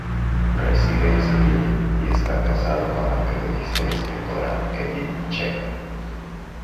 Reside en Sevilla y está casado con la periodista y escritora Edith Checa.